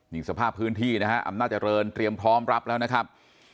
นี่สภาพพื้นที่นะฮะอำนาจริงเตรียมพร้อมรับแล้วนะครับ